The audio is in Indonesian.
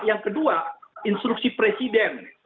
yang kedua instruksi presiden